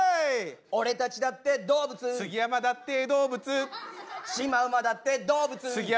「俺たちだって動物」「杉山だって動物」「シマウマだって動物」「杉山